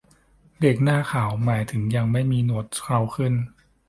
เด็กหน้าขาว หมายถึงยังไม่มีหนวดเคราขึ้น